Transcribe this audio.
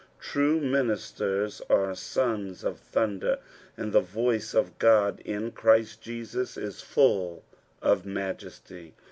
True lainis lers are sons <f thunder, and the voiee qf Ood in Vhriat Jesus is full of majesty.